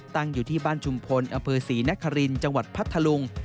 ตั้งอยู่ที่บ้านชุมพลอศิริชน์คระมวัลพัทธลุง